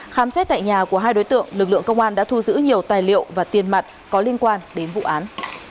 khám xét tại nhà của hai đối tượng lực lượng công an đã thu giữ nhiều tài liệu và tiền mặt có liên quan đến vụ án